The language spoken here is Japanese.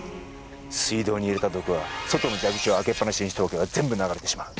水道に入れた毒は外の蛇口を開けっ放しにしておけば全部流れてしまう。